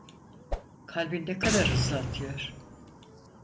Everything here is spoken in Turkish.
Kalbin ne kadar hızlı atıyor…